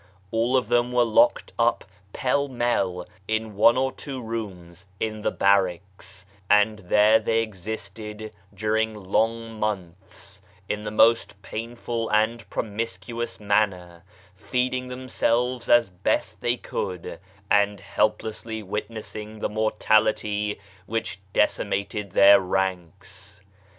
All of them were locked up pell mell in one or two rooms in the barracks, and there they existed during long months, in the most painful and promiscuous manner, feeding themselves as best they could, and helplessly witness ing the mortality which decimated their ranks.